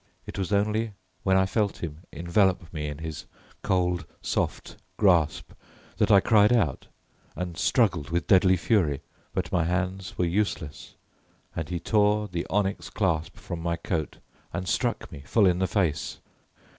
It was only when I felt him envelope me in his cold soft grasp that I cried out and struggled with deadly fury, but my hands were useless and he tore the onyx clasp from my coat and struck me full in the face.